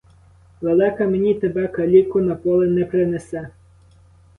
Лелека мені тебе, каліку, на поле не принесе.